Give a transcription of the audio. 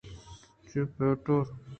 جیوپیٹر